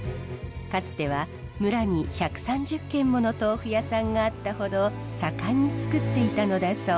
かつては村に１３０軒もの豆腐屋さんがあったほど盛んに作っていたのだそう。